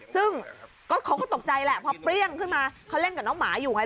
ซึ่งเขาก็ตกใจแหละพอเปรี้ยงขึ้นมาเขาเล่นกับน้องหมาอยู่ไง